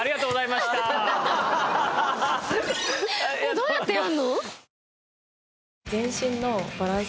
どうやってやるの？